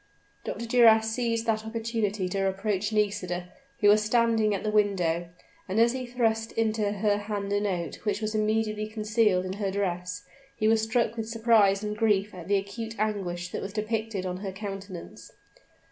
Dr. Duras seized that opportunity to approach Nisida, who was standing at the window; and as he thrust into her hand a note, which was immediately concealed in her dress, he was struck with surprise and grief at the acute anguish that was depicted on her countenance.